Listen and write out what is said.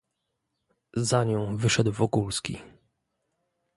"Za nią wyszedł Wokulski."